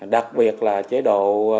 đặc biệt là chế độ